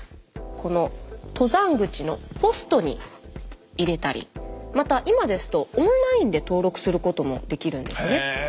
この登山口のポストに入れたりまた今ですとオンラインで登録することもできるんですね。